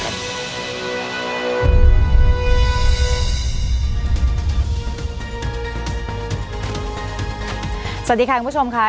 สวัสดีค่ะคุณผู้ชมค่ะ